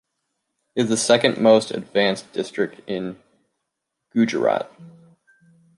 It is the second-most advanced district in Gujarat.